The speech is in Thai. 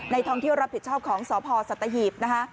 ท่องเที่ยวรับผิดชอบของสพสัตหีบนะคะ